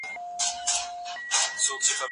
او د خدای ورکړه څوک نه شي اخیستلی.